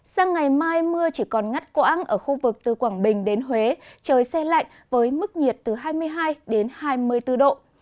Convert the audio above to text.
sang ngày mai mưa chỉ còn ngắt quãng ở khu vực từ quảng bình đến huế trời xe lạnh với mức nhiệt từ hai mươi hai đến hai mươi bốn độ